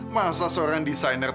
masa seorang desainernya